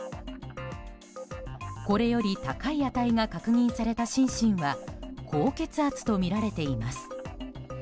これより高い値が確認されたシンシンは高血圧とみられています。